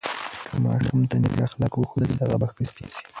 که ماشوم ته نیک اخلاق وښودل سي، هغه به ښه سي.